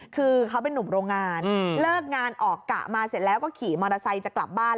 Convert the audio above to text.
คือเขาเป็นนุ่มโรงงานเลิกงานออกกะมาเสร็จแล้วก็ขี่มอเตอร์ไซค์จะกลับบ้าน